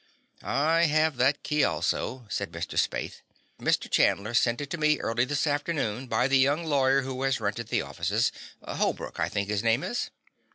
"I have that key also," said Mr. Spaythe. "Mr. Chandler sent it to me early this afternoon, by the young lawyer who has rented the offices Holbrook, I think his name is."